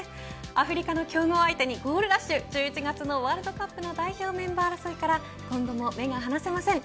アフリカの強豪相手にゴールラッシュ１１月のワールドカップの代表メンバー争いから今後の目が離せません。